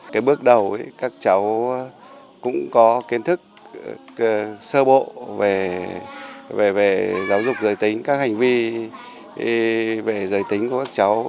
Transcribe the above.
cái bước đầu các cháu cũng có kiến thức sơ bộ về giáo dục giới tính các hành vi về giới tính của các cháu